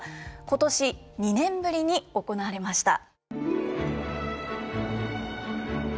今年２年ぶりに行われました。